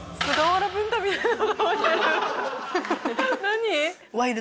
何？